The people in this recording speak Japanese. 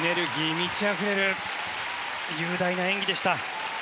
満ちあふれる雄大な演技でした。